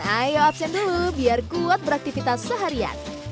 ayo absen dulu biar kuat beraktivitas seharian